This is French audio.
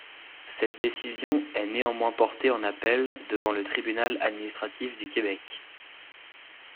Cette décision est néanmoins portée en appel devant le Tribunal administratif du Québec.